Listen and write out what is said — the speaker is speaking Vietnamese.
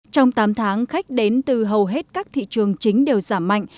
trong tám tháng khách đến từ hầu hết các thị trường chính đều giảm mạnh